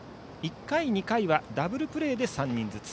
１回、２回はダブルプレーで３人ずつ。